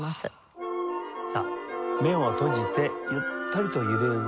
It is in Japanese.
さあ目を閉じてゆったりと揺れ動く